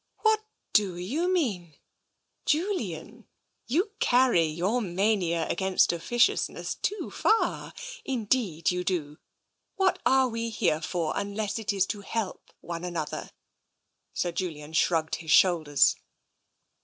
" What do you mean ? Julian, you carry your mania against officiousness too far. Indeed you do. What are we here for, unless it is to help one another ?" Sir Julian shrugged his shoulders.